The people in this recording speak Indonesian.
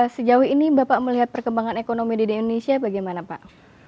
sejauh ini bapak melihat perkembangan ekonomi di indonesia bagaimana pak